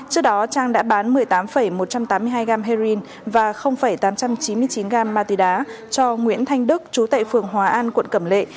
trước đó trang đã bán một mươi tám một trăm tám mươi hai gram heroin và tám trăm chín mươi chín gam ma túy đá cho nguyễn thanh đức chú tại phường hòa an quận cẩm lệ